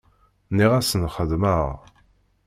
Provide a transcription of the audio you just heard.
Nniɣ-asen xeddmeɣ.